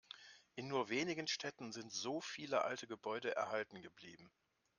In nur wenigen Städten sind so viele alte Gebäude erhalten geblieben.